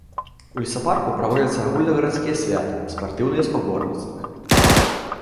У лесапарку праводзяцца агульнагарадскія святы, спартыўныя спаборніцтвы.